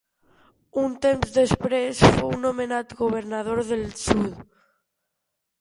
Un temps després fou nomenat governador del sud.